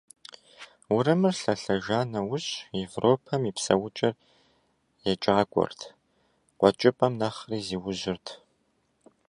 Урымыр лъэлъэжа нэужь, Европэм и псэукӀэр екӀакӀуэрт, КъуэкӀыпӀэм нэхъри зиужьырт.